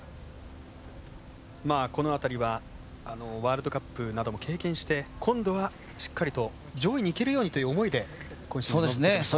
この辺りはワールドカップなども経験して今度はしっかりと上位にいけるようにという思いで今シーズン、臨んできました。